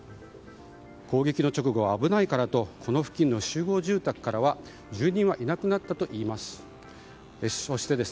攻撃の直後は危ないからとこの付近の集合住宅から住人はいなくなったといいます。